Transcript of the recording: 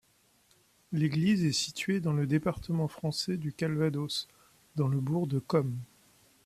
L'église est située dans le département français du Calvados, dans le bourg de Commes.